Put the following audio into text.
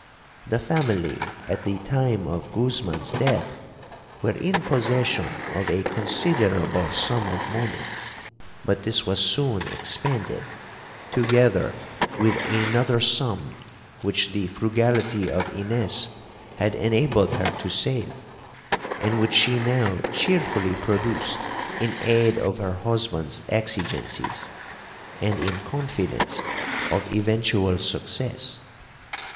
The family, at the time of Guzman's death, were in possession of a considerable sum of money, but this was soon expended, together with another sum which the frugality of Ines had enabled her to save, and which she now cheerfully produced in aid of her husband's exigencies, and in confidence of eventual success.